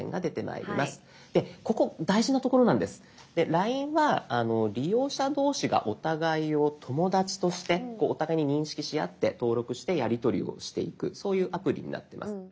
「ＬＩＮＥ」は利用者同士がお互いを「友だち」としてお互いに認識し合って登録してやりとりをしていくそういうアプリになってます。